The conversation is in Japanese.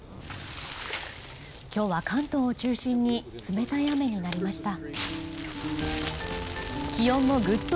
今日は関東を中心に冷たい雨となりました。